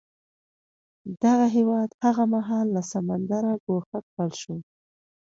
دغه هېواد هغه مهال له سمندره ګوښه کړل شو.